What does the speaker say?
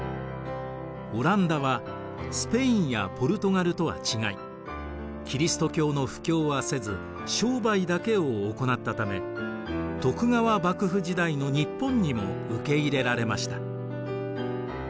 オランダはスペインやポルトガルとは違いキリスト教の布教はせず商売だけを行なったため徳川幕府時代の日本にも受け入れられました。